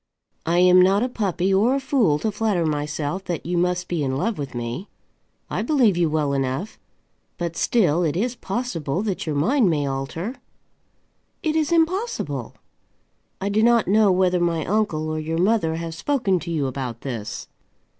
I am not a puppy or a fool, to flatter myself that you must be in love with me. I believe you well enough. But still it is possible that your mind may alter." "It is impossible." "I do not know whether my uncle or your mother have spoken to you about this."